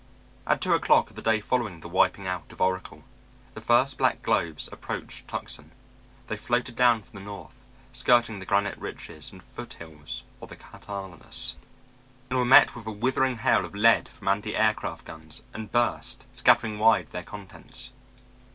At two o'clock of the day following the wiping out of Oracle, the first black globes approached Tucson. They floated down from the north, skirting the granite ridges and foothills of the Catalinas, and were met with a withering hail of lead from anti aircraft guns, and burst, scattering wide their contents.